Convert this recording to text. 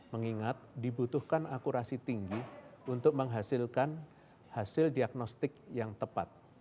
mengingat dibutuhkan akurasi tinggi untuk menghasilkan hasil diagnostik yang tepat